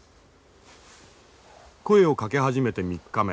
声をかけ始めて３日目。